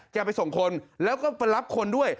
จะไปส่งคนแล้วก็ไปรับคนด้วย